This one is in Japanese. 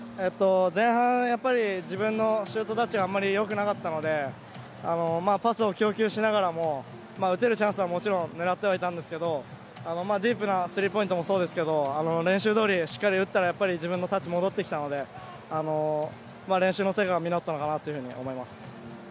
前半、自分のシュートタッチがあまりよくなかったので、パスを供給しながらも、打てるチャンスはもちろん狙ってはいたんですけど、ディープなスリーポイントもそうですけど練習どおりしっかり打ったら自分のタッチ戻ってきたので、練習の成果が実ったのかなと思います。